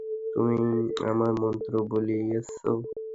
তুমি আমার মন্ত্র বদলিয়েছ।